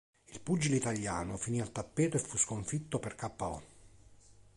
Il pugile italiano finì al tappeto e fu sconfitto per ko.